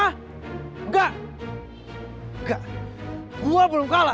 enggak enggak gue belum kalah gue belum kalah